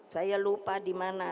saya lupa di mana